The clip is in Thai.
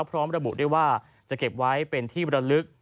พร้อมระบุด้วยว่าจะเก็บไว้เป็นที่บรรลึก